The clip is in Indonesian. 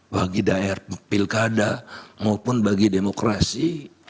bagi daerah pilkada maupun bagi demokrasi